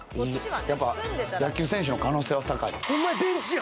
やっぱ野球選手の可能性は高い。